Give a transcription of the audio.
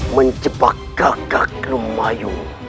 menjebak kakak lemayu